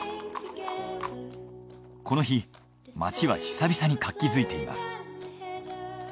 この日町は久々に活気づいています。